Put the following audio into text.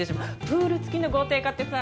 プール付きの豪邸買ってさ